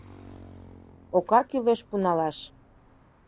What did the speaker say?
Ока кӱлеш пуналаш.